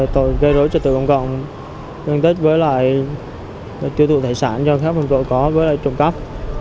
tổng cộng dân tích với lại tiêu thụ thải sản cho khách phòng tội có với lại trộm cấp